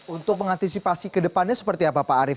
untuk mengantisipasi ke depannya seperti apa pak arief